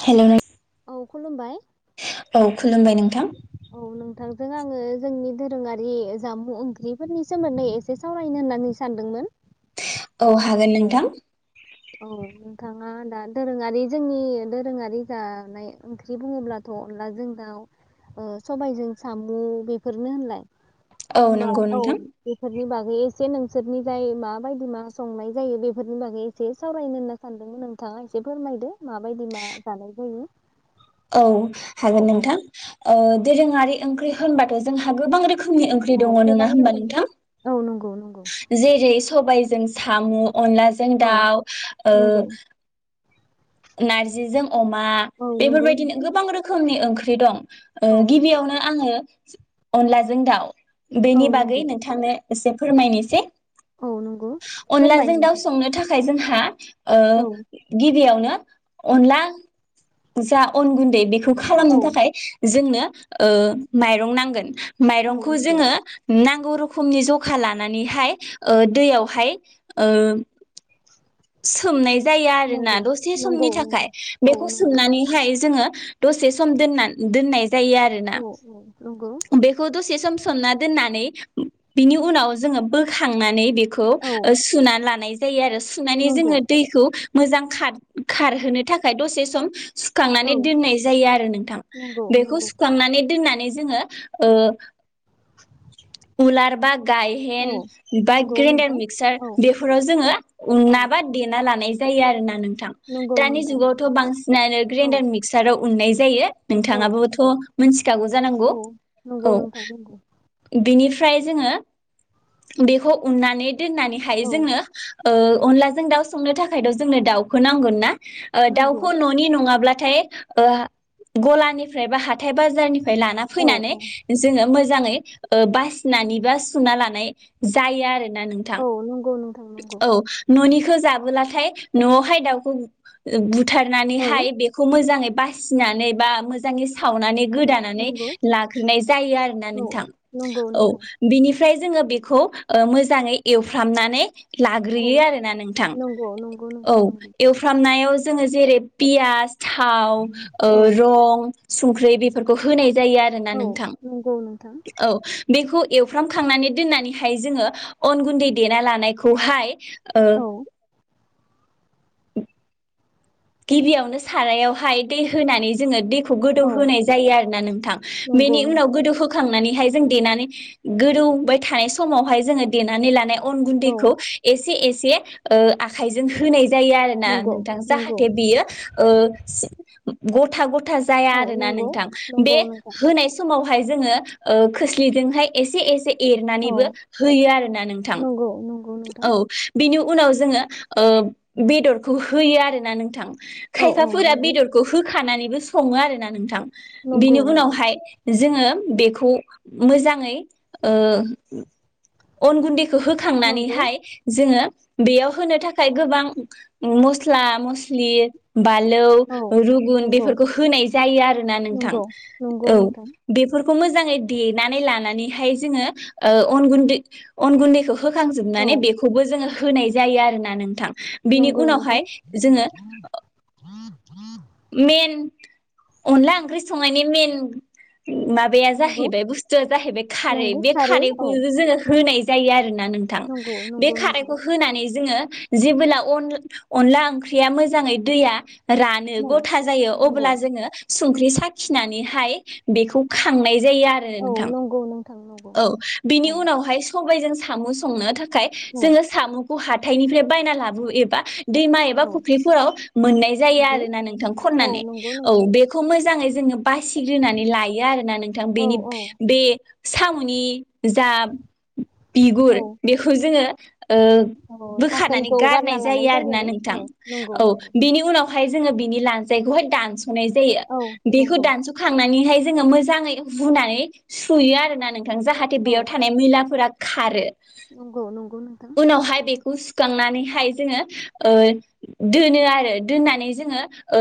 हेल' नों औ खुलुमबाय औ खुलुमबाय नोंथां। नोंजों आङो जोंनि दोरोङारि जामुं ओंख्रिफोरनि सोमोन्दै एसे सावरायनो होननानै सानदोंमोन। औ हागोन औ नोंथां। औ नोंथाङा दा दोरोङारि जोंनि दोरोङारि जानाय ओंख्रि बुङोब्लाथ' अनलाजों दाउ सबायजों साम' बेफोरनो होनलाय? औ होमबा नंगौ औ नोंथां बेफोरनिनि बागै एसे नोंसोरनि जाय माबायदि मा संनाय जायो बेफोरनि बागै। एसे सावरायनो होनना सानदोंमोन नोंथाङा एसे फोरमायदो माबायदि मा जानाय जायो। औ औ हागोन औ नोंथां। ओ दोरोङारि ओंख्रि होनबाथ' जोंहा गोबां रोखोम रोखोमनि ओंख्रि औ दङ गोबां नङा होमबा रोखोमनि नोंथां? औ नंगौ नंगौ जेरै सबायजों साम' अनलाजों औ दाउ ओ नंगौ नारजिजों अमा औ नंगौ बेफोरबायदिनो नोंथां गोबां रोखोमनि अ ओंख्रि दं औ ओ नंगौ गिबियावनो आङो अनलाजों दाउ औ बेनि बागै नंगौ नोंथांनो एसे फोरमायनोसै औ नंगौ फोरमाय अनलाजों दाउ नोंथां संनो थाखाय जोंहा हा औ ओ गिबियावनो अनला जा अन गुन्दैखौ बेखौ खालामनो औ थाखाय जोंनो ओ माइरं नांगोन। औ माइरंखौ नंगौ जोङो नांगौ। गौ रोखोमनि जखा लानानैहाय ओ दैयावहाय सोमनाय जायो आरोना नंगौ दसे नंगौ समनि थाखाय नंगौ औ बेखौ नंगौ सोमनानैहाय जोङो दसे सम दोना दोननाय जायो आरोना औ औ नंगौ बेखौ दसे सम सोमना दोननानै बिनि उनाव जोङो बोखांनानै बे खौ औ सुना लानाय जायो आरो सुनानै नंगौ जोङो दैखौ मोजां खार खारहोनो थाखाय दसे सम औ सुखांनानै दोननाय जायो आरो नोंथां नंगौ बेखौ नंगौ सुखांनानै दोननानै जोङो ओ उलार बा गायहेन औ बा नंगौ ग्रेडार नोंथां मिक्सार औ बेफोराव जोङो औ उनना बा देना लानाय जायै आरो ना नो थां नंगौ दानि नोंथां जुगावथ' नंगौ बांसिनानो औ ग्राइडार मिक्साराव उननाय जायो औ नोंथाङाबोथ' नंगौ मोनथिखागौ जानांगौ औ नंगौ औ। नोंथां नंगौ बेनिफ्राय जोङो बेखौ उननानै दोननानै हाय औ जोङो। ओ अनलाजों दाउ संनो थाखायथ' जोंनो दाउखौ नांगोन ना। ओ नंगौ दाउखौ न'नि नङाब्ला थाय ओ गलानिफ्राय फा हाथाय बाजारनिफ्राय लाना औ फैनानै औ जोङो मोजाङै ओ बासिनानै बा सुना लानाय जायो आरो। नाय नोंथां औ नंगौ नोंथां नंगौ औ न'निखौ। जाबोलाथाय न'आवहाय दाउखौ ओ औ बुथारनानैहाय बेखौ मोजाङै। बासिनानै बा मोजाङै सावनानै गोदानानै नंगौ लाग्रोनाय जायो आरोना औ नोंथां नंगौ नोंथां ओमफ्राय जोङो बेखौ ओ मोजाङै एवफ्रामनानै औ लाग्रोयो आरोना नोंथां नंगौ नंगौ औ नोंथां नंगौ एवफ्रामनायाव जोङो जेरै पियास थाव ओ औ रं संख्रि बेफोरखौ होनाय जायो आरोना औ नोंथां नंगौ नोंथां औ बेखौ एवफ्रामखांनानै दोननानैहाय जोङो अन गुन्दै देना लानायखौहाय ओ औ गिबियावनो सारायावहाय दै होनानै जोङो दै खौ गोदौ औ होनाय जायो नोंथां नंगौ बेनि उनाव नोंथां गोदौहोखांनानैहाय जों जों देनानै गोदौबाय थानाय समावहाय जोङो देनानै लानाय अन औ गुन्दैखौ एसे एसे एसे ओ आखाइजों होनाय जायो आरो ना नंगौ नोंथां जाहाथे नंगौ थे बियो ओ गथा गथा जाया औ आरोना नंगौ नोंथां नंगौ बे नोंथां होनाय समाव हायो ओ खोस्लिजों‌हाय एसे एसे औ एरनानैबो होयो आरोना नोंथां नंगौ नंगौ नोंथां औ बेनि उनाव जोङो ओ बेदरखौ होयो आरोना नोंथां औ औ खायफाफोरा नंगौ बेदरखौ होखानानै बो सङो आरोना नोंथां नंगौ बिनि नंगौ उनावहाय जोङो बेखौ मोजाङै ओ अन गुन्दै खौ होखांनानै नंगौ थाय जोङो बेयाव होनो थाखाय गोबां मस्ला मस्लि बालौ औ रुगुन नंगौ बेफोरखौ होनाय जायो आरोना नोंथां नंगौ नंगौ औ नोंथां बेफोर खौ मोजाङै देनानै लानानैहाय जोङो ओ अन गुन्दै अन गुन्दैखौ होखां औ होनाय जायो आरोना नोंथां बिनि नंगौ नोंथां उनावहाय जोङो [inaudible] मेन अनला ओंख्रि संनायनि मेन माबाया नंगौ जाहैबाय बुस्थु जाहैबाय खारै नंगौ बे थारै औ खारैखौ जोङो होनाय [unintelligible] आरोना नोंथां नंगौ बे नंगौ नोंथां खारैखौ होनानै जोङो जेबोला अन अनला ओंख्रिया मोजाङै दैया रा औ ग'था जायो नंगौ अब्ला जोङो संख्रि साखिनानैहाय बेखौ खांनाय जायो आरो औ नोंथां नंगौ नोंथां नंगौ औ औ बिनि उनावहाय सबायाइजों साम' संनो थाख खाय औ जोङो साम' हाथायनिफ्राय बायना लाबो एबा दैमा एबा औ फुख्रिफोराव मोननाय जायो नंगौ आरो ना नों औ खननानै नंगौ औ नोंथां बेखौ मोजाङै जोङो बासिग्रोनानै लायो आरो ना नोंथां औ बेनि औ बे साम'नि जाब बिगुर औ बेखौ जोङो ओ औ बोखारनानै धाखोनखौ गारना गारनाय लानाय जायो आरोना आरो औ नोंथां नंगौ औ नंगौ बिनि उनाव ओमफाय जोङो बेनि लानजाइखौहाय दानस' नाय जायो औ बेखौ नंगौ दानसखांनानैहाय जोङो मोजाङै रुनानै सुयो आरोना नों थां‌ जाहाथे औ बेयाव थानाय मैलाफोरा खारो नंगौ नंगौ नोंथां उनावहाय बे खौ सुखांनानैहाय जोङो ओ दोनो आरो दोननानै जोङो ओ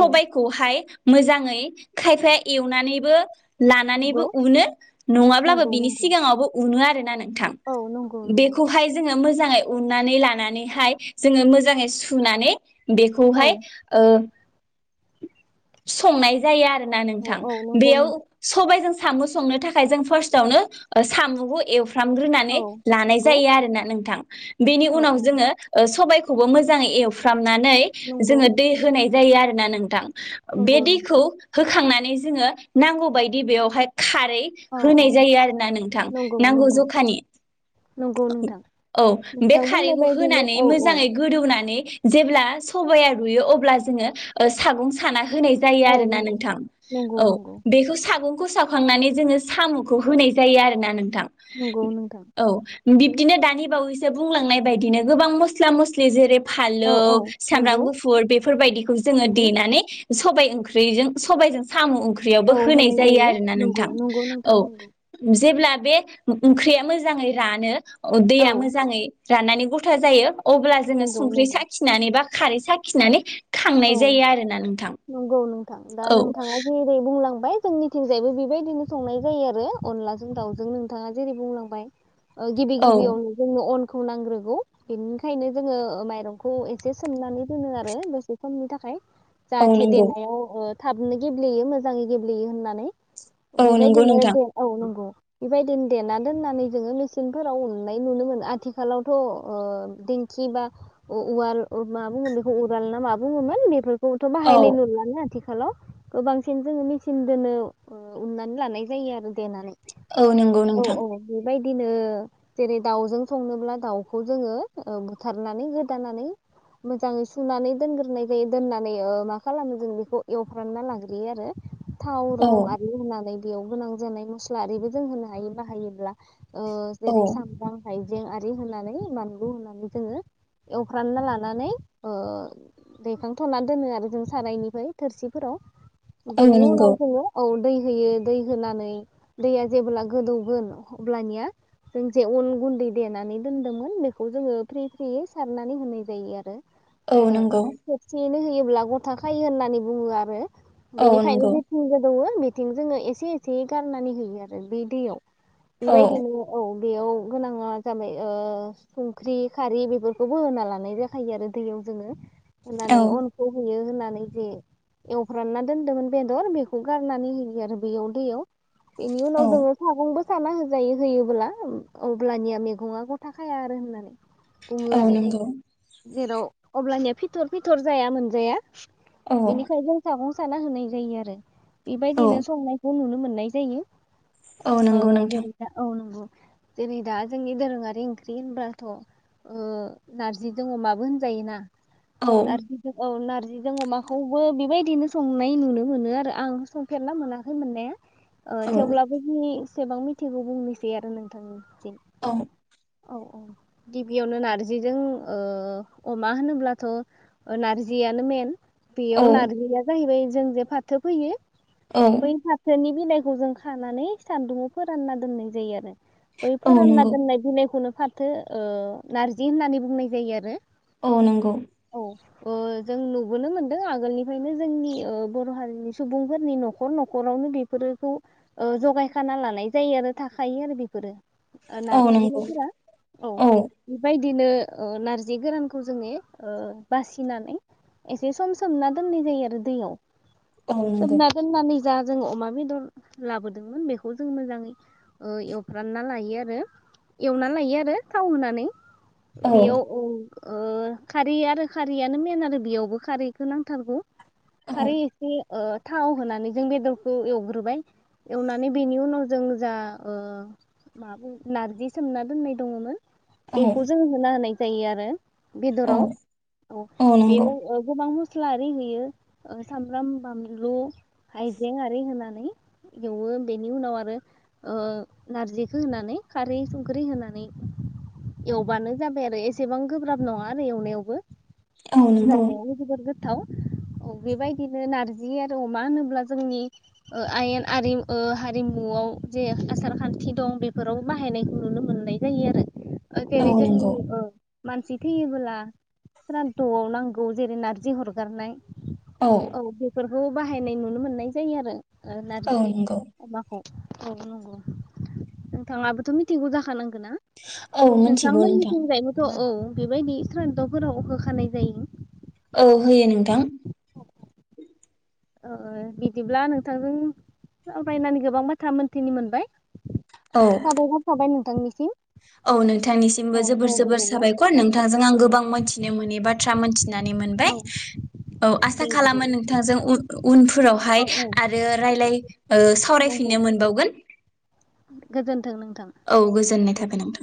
औ मोजाङै खायफाया एवनानैबो नंगौ लानानैबो उनो नङाब्लाबो नंगौ बिनि नंगौ सिगाङावबो उनो आरो औ नंगौ नंगौ बेखौहाय जोङो मो जाङै उननानै लानानैहाय जोङो मोजाङै सुनानै औ बेखौहाय ओ संनाय जायो आरो ना औ नोंथां औ नंगौ बेयाव नोंथां सबायजों साम' संनो थाखाय जों फास्टावनो साम'खौ ए फ्रामनानै औ लानाय नंगौ जायो आरोना नोंथां बेनि औ उनाव औ जोङो ओ सबाय खौबो मोजाङै एव फ्रामनानै नंगौ जोङो दै होनाय जायो आरो ना नोंथां बे नंगौ नंगौ दैखौ होखांना नै जोङो नांगौ बायदि बेयावहाय खारै औ औ होनाय जायो आरोना नोंथां नंगौ नांगौ नंगौ जखानि नंगौ नोंथां औ बे नोंथां बुंनाय खारैखौ बायदिनो होनानै औ औ मोजाङै गोदौनानै जेब्ला सबायआ रुयो अब्ला जोङो ओ सागं थाना होनाय जायो औ आरोना नंगौ नोंथां नंगौ औ नंगौ बेखौ सागं सावखांनानै जोङो साम'खौ होनाय जायो आरो ना नों थां नंगौ नोंथां औ बिब दिनो दानि बावैसो बुंलांनाय बायदिनो गोबां मस्ला मस्लि जेरै औ फानलौ औ सामब्राम नंगौ गुफुर बेफोरबायदिखौ जोङो नंगौ देनानै सबाइ ओंख्रिजों सबाइजों साम' ओंख्रियावबो औ होनाय जायो आरोना नंगौ नोंथां नंगौ नोंथां औ नंगौ जेब्ला बे ओंख्रिया मोजाङै रानो अ औ दैया मोजाङै राननानै गथा जायो अब्ला जोङो नंगौ संख्रि नंगौ साखिनानै बा खारै साखिनानै खांनाय औ जायो आरो ना नों नंगौ नों थां दा नोंथाङा जेरै बुंलां बाय जोंनिथिंजायबो बेबायदिनो संनाय जायो आरो अनलाजों दाउजों नोंथाङा जेरै बुंलांबाय ओ गिबि औ गिबियावनो जोंङो अन खौ नांग्रोगौ बिनिखायनो जोङो ओ माइरंखौ एसे सोमनानै दोनो आरो दसे खमनि थाखाय औ जाहाथे नंगौ देनायाव‌ ओ थाबनो गेब्लेयो मोजाङै गेब्लेयो होननानै औ नंगौ बेबायदिनो नोंथां दे औ नोंगौ। बेबायदिनो देना दोननानै जोङो मेचिंनफोराव उननाय नुनो मोनो आथिखालावथ'ओ दिेंखि बा उवाल मा बुङो बेखौ उराल ना माब बुङोमोन बेफोर औथ' औ बाहायनाय नुलानो आथिखा खालाव गोबांसिन जोङो मेसिन दोनो ओ उननानै लानाय जायो आरो देनानै। औ नोंगौ नोंथां। बायदिनो जेरै दाउजों संनोब्ला दाउखौ जोङो ओ बुथारनानै गोदानानै मोजाङै सुनानै दोनग्रोनाय जायो दोननानै ओ मा खालामो जों बेखौ एवफ्रानना लाग्रोयो आरो। थाव औ रं आरि होनानै बेयाव गोनां जानाय मस्ला आरिबो जों होनो हायो बाहायोब्ला ओ औ जेरै सामब्राम हाय जें आरि होनानै बानलु होनानै जोङो एवफ्रानना लानानै ओ दैखांथ'ना दोनो आरो जों सारायनिफ्राय थोरसिफोराव औ बेनि नंगौ उनाव जोङो औ दै होयो दै होनानै दैया जेबोला गोदौगोन अब्लानिया जों जे अन गुन्दै देनानै दोन्दोंमोन बेखौ जोङो फ्रिय फ्रियै सारनानै होनाय जायो आरो। औ नोंगौ। [unintelligible] नो होयोब्ला गथ खायो होननानै बुङो आरो। औ बिनिखायनो नंगौ जेथिं गोदौवो बेथिं जोङो एसे एसे गारनानै होयो आरो बे दैयाव। औ बेबायदिनो औ। बेयाव गोनाङा जाबाय ओ संख्रि खारि बेफोरखौबो होना लानाय जाखायो आरो दैयाव जोङो। औ होनानै अनखौ होयो होना नै जे एवफ्रानना दोन्दोंदोंमोन बेदर बेखौ गारनानै होयो आरो बेयाव दैयाव। बेनि औ उनाव जोङो सागंबो साना होजायो होयोबोब्ला अब्लानिया मैगङा गथा खाया आरो होननानै बुङो औ आरो नोंगौ जेराव अब्लानिया फि थर फिथर जाया मोनजाया औ बिनिखायजों सागं साना होनाय जायो आरो औ बेबायदिनो संनायखौ नु मोननाय जायो औ नंगौ अ नोंथां जेरैबा औ नंगौ जेरै दा जोंनि दोरोङारि ओंख्रि होनब्लाथ ओ नारजिजों अमाबो होनजायो ना औ नारजिजों औ नार जों अमाखौबो बेबायदिनो संनाय नुनो मोनो आरो आं संफेरना मोनाखै मोननाया ओ औ थेवब्लाबो दिनि बेसेबां मिथिगौ बुंनिसै आरो नोंथांनि औ औ औ गिबियावनो नारजिजों ओ अमा होनोब्लाथ' नारजियानो मेन औ बियाव नारजिया जाहैबाय जों जे फाथो फैयो औ बै फाथोनि बिलाइ खौ जों खानानै सान्दुंआव फोरानना दोननाय जायो आरो औ बैफोरानना नंगौ दोननाय बिनायखौनो फाथो ओ नारजि होननानै बुंनाय जायो आरो औ नंगौ औ जों नुबोनो मोनदों आगोलनिफ्रायनो ओ जोंनि बर' हारिनि सुबुंफोरनि न'खर न'खरावनो बेफोरखौ ओ जगायखाना लानाय जायो आरो थाखायो आरो बेफोरो औ नारजि नंगौ बिलाइफोरा औ बेबायदि बिदिनो नारजि गोरानखौ जोङो बासिनानै एसे सम सोमना दोननाय जायो आरो दैयाव औ नंगौ सोमना दोननानै जा जोङो अमा बेदर लाबोदोंमोन बेखौ जों मोजाङै एवफ्रानना लायो आरो एवना लायो आरो थाव होनानै औ बेयाव उम ओ खारै आरो खारैयानो मेन आरो बेयावबो खारैखौ नांथारगौ औ खारै एसे ओ थाव होनानै जों बेदरखौ एवग्रोबाय एवनानै बेनि उनाव जों जा मा नारजि सोमना दोननाय दङमोन औ बेखौ जों होना होनाय जायोआरो औ बेयाव ओ औ नंगौ गोबां म स्लाआरि होयो सामब्राम बानलु आयजें आरि होनानै एवो बेनि उनाव आरो ओ नारजिखौ होनानै खारै संख्रि होनानै एवबानो जाबाय आरो एसेबां गोब्राब नङा आरो एवनायावबो औ ज नंगौ म बग [unintelligible] गोथाव बेबायदिनो नारजि आरो अमा होनोब्ला जोंनि आयेन आरि ओ हारिमुआव जे आसार खान्थि दं बेफोराव बाहायनायखौ नुनो मोननाय जायो आरो औ जेरै जों नंगौ ओ मानसि थैयोबोला स्राद'आव नांगौ जेरै नारजि हरगारनाय औ बेफोर बेखौ बाहायनाय नुनो मोननाय जायो आरो औ नारजि नंगौ अमाखौ औ नंगौ नोंथाङाबोथ' मिथिंगौ जाखानां ना औ मिथिगौ नोंथां नोंथांमोननिथिंजायबोथ' औ बेबायदि सान्दावफोराव होखानाय जायो औ होयो नोंथां ओ बिदिब्ला नोंथांजों सावरायनानै गोबां बाथ्रा मोनथिना मोनबाय औ साबायखर थाबाय नोंथां नोंथांनिसिम औ नोंथांनिसिमबो औ जोबोर दे जोबोर बिदिब्ला साबायखर नोंथांजों आं गोबां मोनथिनो मोननि बाथ्रा मोनथिनानै मोनबाय औ औ दे आसा खालामो बिदिब्ला नोंथांजों औ उनफोरावहाय औ आरो रायलाय ओ नंगौ सावरायफिननो मोनबावगोन गोजोन्थों नोंथां औ गोजोननाय थाबाय दे नोंथां